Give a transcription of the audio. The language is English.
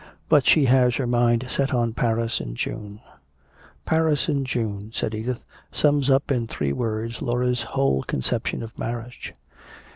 "But she has her mind set on Paris in June." "Paris in June," said Edith, "sums up in three words Laura's whole conception of marriage.